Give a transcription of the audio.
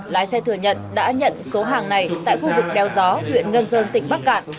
lái xe thừa nhận đã nhận số hàng này tại khu vực đeo gió huyện ngân dơn tỉnh bắc cạn